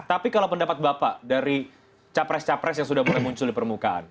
tapi kalau pendapat bapak dari capres capres yang sudah mulai muncul di permukaan